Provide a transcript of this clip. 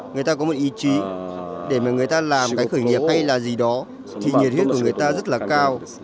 người ta có một ý chí để mà người ta làm cái khởi nghiệp hay là gì đó thì nhiệt huyết của người ta rất là cao